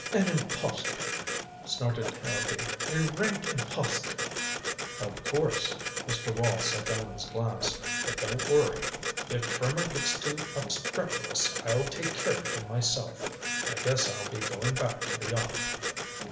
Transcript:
"An impostor," snorted Harrowby. "A rank impostor." "Of course." Mr. Wall set down his glass. "But don't worry. If Trimmer gets too obstreperous, I'll take care of him myself. I guess I'll be going back to the yacht."